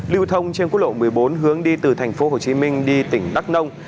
lưu thông trên quốc lộ một mươi bốn hướng đi từ thành phố hồ chí minh đi tỉnh đắk nông